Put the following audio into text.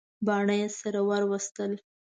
باڼه یې سره ور وستل.